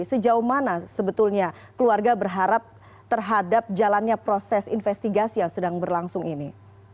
sejauh mana sebetulnya keluarga berharap terhadap jalannya proses berlangsung ini